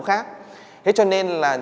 khác thế cho nên là